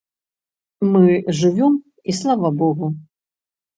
Мы жывём і слава богу.